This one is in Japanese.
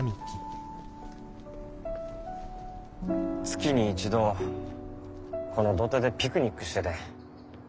月に一度この土手でピクニックしててん。